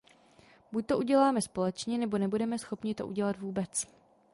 Buď to uděláme společně, nebo nebudeme schopni to udělat vůbec.